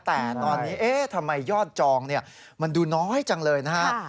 แต่ตอนนี้เอ๊ะทำไมยอดจองมันดูน้อยจังเลยนะฮะ